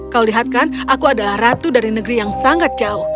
kau lihatkan aku adalah ratu dari negeri yang sangat jauh